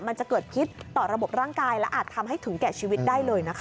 มันจะเกิดพิษต่อระบบร่างกายและอาจทำให้ถึงแก่ชีวิตได้เลยนะคะ